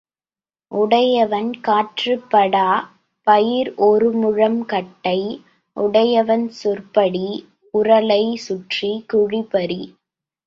உடையவன் காற்றுப் படாப் பயிர் ஒருமுழம் கட்டை, உடையவன் சொற்படி உரலைச் சுற்றிக் குழி பறி.